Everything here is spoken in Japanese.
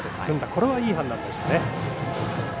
これはいい判断でしたね。